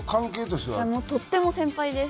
とっても先輩で。